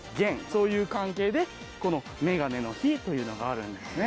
そういう関係でこの「めがね之碑」というのがあるんですね。